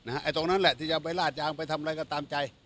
ไอ้ตรงนั้นแหละที่จะไปลาดยางไปทำอะไรก็ตามใจ